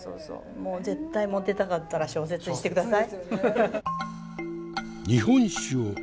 もう絶対モテたかったら小説にして下さい。